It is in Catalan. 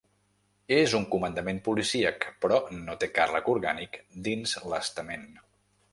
És un comandament policíac, però no té càrrec orgànic dins l’estament.